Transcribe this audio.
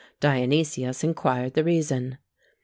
Dionysius inquired the reason.